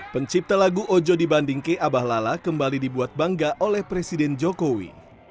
pencipta lagu ojo di bandingke abah lala kembali dibuat bangga oleh presiden jokowi